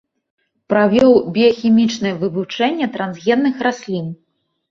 Правёў біяхімічнае вывучэнне трансгенных раслін.